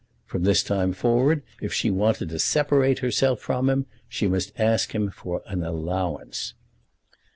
From this time forward if she wanted to separate herself from him she must ask him for an allowance.